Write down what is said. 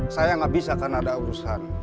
saya nggak bisa karena ada urusan